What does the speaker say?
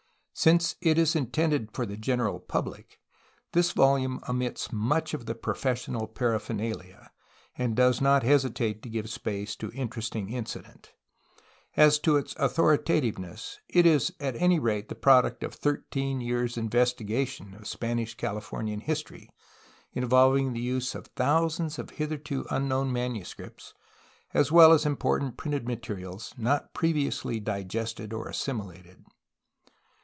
Since it is intended for the general public, this volume omits much of the professional paraphernalia, and does not hesitate to give space to interesting incident. As to its authoritativeness it is at any rate the product of thir teen years' investigation of Spanish Californian history, involving the use of thousands of hitherto unknown manu scripts, as well as important printed materials not previ ously digested or assimilated.